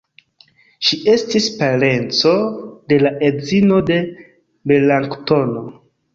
Ŝi estis parenco de la edzino de Melanktono.